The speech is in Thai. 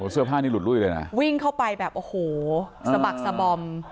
เสื้อผ้านี่หลุดลุ้ยเลยนะวิ่งเข้าไปแบบโอ้โหสะบักสะบอม